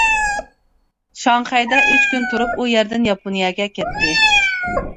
شاڭخەيدە ئۈچ كۈن تۇرۇپ ئۇ يەردىن ياپونىيەگە كەتتى.